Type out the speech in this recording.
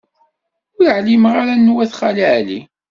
Ur ɛlimeɣ ara anwat Xali Ɛli.